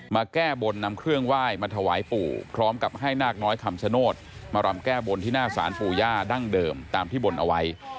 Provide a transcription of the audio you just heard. แก้บนนำเครื่องไหว้มาถวายปู่พร้อมกับให้นาคน้อยคำชโนธมารำแก้บนที่หน้าศาลปู่ย่าดั้งเดิมตามที่บนเอาไว้